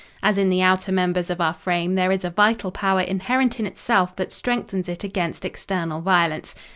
As in the outer members of our frame, there is a vital power inherent in itself that strengthens it against external violence.